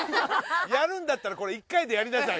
やるんだったらこれ１回でやりなさい。